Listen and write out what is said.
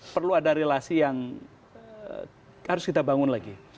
perlu ada relasi yang harus kita bangun lagi